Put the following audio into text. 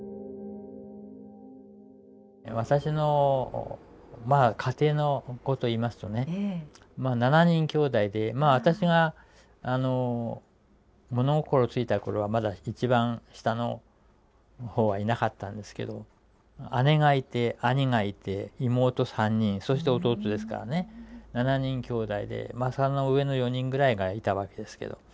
私のまあ家庭のことを言いますとね７人きょうだいで私が物心ついた頃は１番下の方はいなかったんですけど姉がいて兄がいて妹３人そして弟ですからね７人きょうだいでまあその上の４人ぐらいがいたわけですけど。